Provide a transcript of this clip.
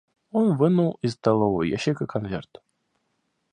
Он вынул из столового ящика конверт.